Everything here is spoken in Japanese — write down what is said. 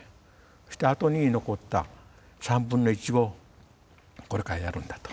そしてあとに残った３分の１をこれからやるんだと。